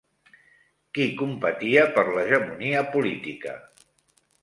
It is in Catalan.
Qui competia per l'hegemonia política?